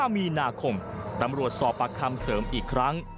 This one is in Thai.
มีนาคมตำรวจสอบประคำเสริมอีกครั้ง